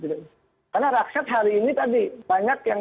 karena rakyat hari ini tadi banyak yang